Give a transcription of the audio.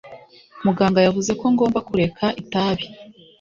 Muganga yavuze ko ngomba kureka itabi